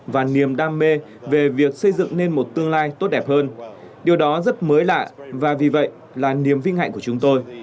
và niềm đam mê về việc xây dựng nên một tương lai tốt đẹp hơn điều đó rất mới lạ và vì vậy là niềm vinh hạnh của chúng tôi